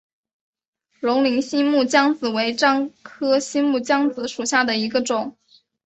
龙陵新木姜子为樟科新木姜子属下的一个种。